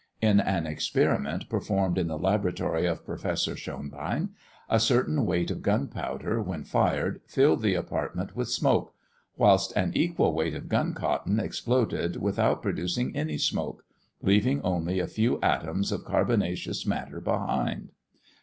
In an experiment performed in the laboratory of Professor Schonbein, a certain weight of gunpowder, when fired, filled the apartment with smoke; whilst an equal weight of gun cotton exploded without producing any smoke, leaving only a few atoms of carbonaceous matter behind.